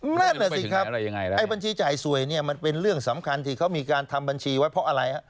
นั่นแหละสิครับไอ้บัญชีจ่ายสวยเนี่ยมันเป็นเรื่องสำคัญที่เขามีการทำบัญชีไว้เพราะอะไรฮะ